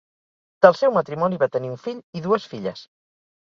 Del seu matrimoni va tenir un fill i dues filles.